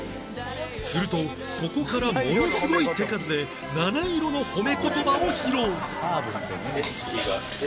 するとここからものすごい手数で七色の褒め言葉を披露